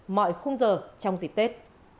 mọi khung giờ trong dịp tết